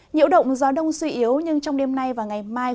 nhiễu động gió đông suy yếu nhưng trong đêm nay và ngày mai